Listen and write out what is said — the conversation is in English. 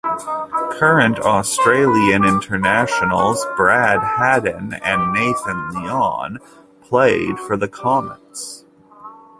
Current Australian internationals Brad Haddin and Nathan Lyon played for the Comets.